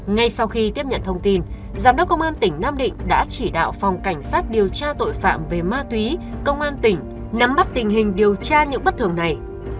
ngay sau khi tiếp nhận thông tin giám đốc công an tỉnh nam định đã chỉ đạo phòng cảnh sát điều tra tội phạm về ma túy công an tỉnh nắm bắt tình hình điều tra những bất thường này